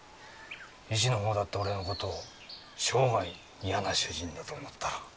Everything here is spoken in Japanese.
石の方だって俺のことを生涯嫌な主人だと思ったろう。